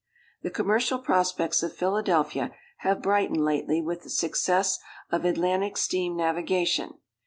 The commercial prospects of Philadelphia have brightened lately with the success of Atlantic steam navigation.